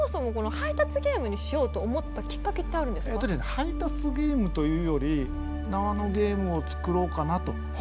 配達ゲームというより縄のゲームをつくろうかなと。